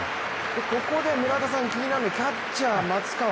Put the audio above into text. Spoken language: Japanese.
ここで村田さん、気になるのはキャッチャー・松川。